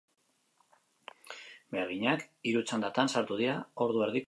Beharginak hiru txandatan sartu dira, ordu erdiko tartearekin.